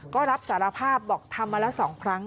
ก็รับสารภาพบอกทำมาแล้ว๒ครั้ง